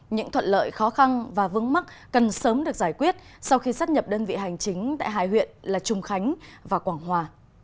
những thuận lợi khó khăn và vững mắc cần sớm được giải quyết sau khi sát nhập đơn vị hành chính tại hai huyện là trung khánh và quảng hòa